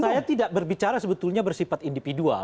saya tidak berbicara sebetulnya bersifat individual